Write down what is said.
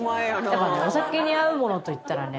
やっぱねお酒に合うものといったらね